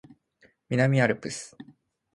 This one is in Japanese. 南アルプス